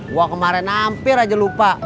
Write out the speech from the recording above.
wah kemarin hampir aja lupa